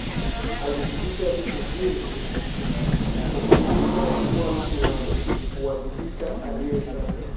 Alizidisha vitu vingi kumkuza kuwa mtu wa kuwajibika aliye sasa